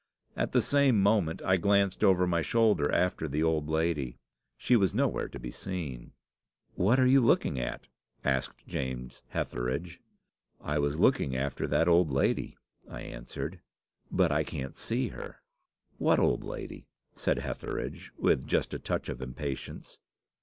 At the same moment I glanced over my shoulder after the old lady. She was nowhere to be seen. "'What are you looking at?' asked James Hetheridge. "'I was looking after that old lady,' I answered, 'but I can't see her.' "'What old lady?' said Hetheridge, with just a touch of impatience.